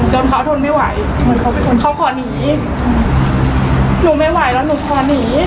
จนเขาทนไม่ไหวจนเขาขอหนีอืมหนูไม่ไหวแล้วหนูขอหนี